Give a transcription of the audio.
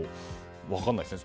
分からないですね